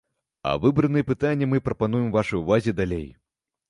А выбраныя пытанні мы прапануем вашай увазе далей.